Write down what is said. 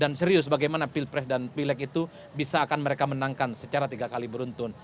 dan serius bagaimana pilpres dan pileg itu bisa akan mereka menangkan secara tiga kali beruntun